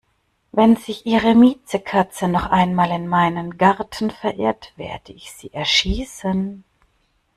Wenn sich Ihre Miezekatze noch einmal in meinen Garten verirrt, werde ich sie erschießen!